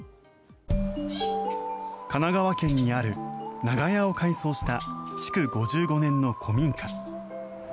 神奈川県にある長屋を改装した築５５年の古民家。